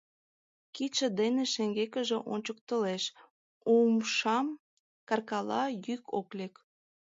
Кидше дене шеҥгекыже ончыктылеш, умшам каркала, йӱк ок лек.